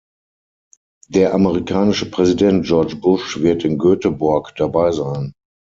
Der amerikanische Präsident George Bush wird in Göteborg dabei sein.